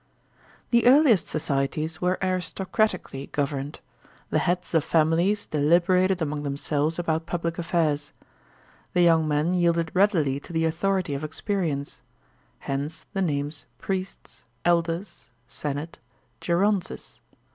The earliest societies were aristocratically governed. The heads of families deliberated among themselves about public affairs. The young men yielded readily to the authority of experience. Hence the names priests, ELDERS, senate, gerontes.